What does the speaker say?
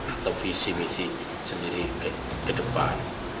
atau visi misi sendiri ke depan